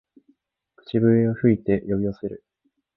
口笛を吹いて呼び寄せる